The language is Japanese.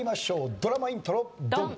ドラマイントロドン！